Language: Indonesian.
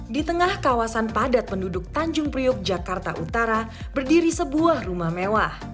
di tengah kawasan padat penduduk tanjung priuk jakarta utara berdiri sebuah rumah mewah